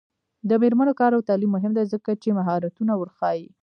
د میرمنو کار او تعلیم مهم دی ځکه چې مهارتونه ورښيي.